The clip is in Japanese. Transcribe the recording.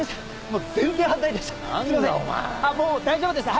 もう大丈夫です。